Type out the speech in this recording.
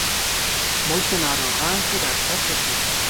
موږ چې ناروغان شو ډاکټر ته ځو.